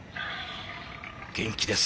元気です。